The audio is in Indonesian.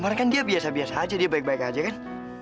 karena kan dia biasa biasa aja dia baik baik aja kan